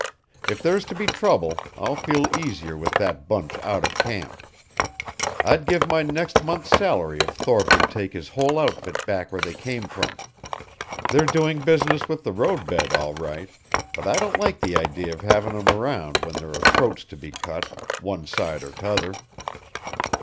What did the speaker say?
"If there's to be trouble I'll feel easier with that bunch out of camp. I'd give my next month's salary if Thorpe would take his whole outfit back where they came from. They're doing business with the road bed all right, but I don't like the idea of having 'em around when there are throats to be cut, one side or t'other."